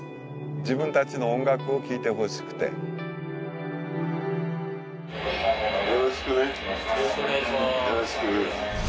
自分たちの音楽を聴いてほしくてよろしくねよろしくお願いします